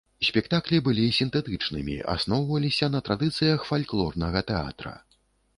Спектаклі былі сінтэтычнымі, асноўваліся на традыцыях фальклорнага тэатра.